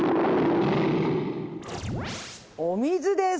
お水です！